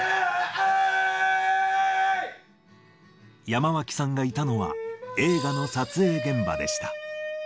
山脇さんがいたのは、映画の撮影現場でした。